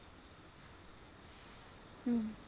うん。